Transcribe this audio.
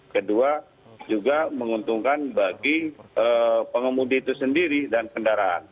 kedua juga menguntungkan bagi pengemudi itu sendiri dan kendaraan